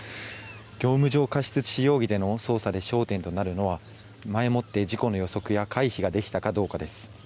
業務上過失致死容疑での捜査の焦点となるのは前もって事故の予測や回避ができたかどうかです。